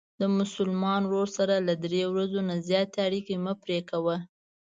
د مسلمان ورور سره له درې ورځو نه زیاتې اړیکې مه پری کوه.